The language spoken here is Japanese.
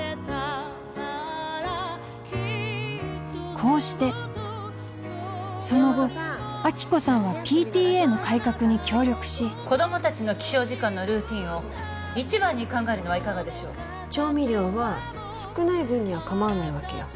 こうしてその後亜希子さんはＰＴＡの改革に協力し子供達の起床時間のルーティンを一番に考えるのはいかがでしょう調味料は少ない分には構わないわけよ